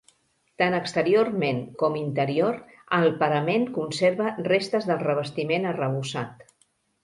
Tant exteriorment com interior, el parament conserva restes del revestiment arrebossat.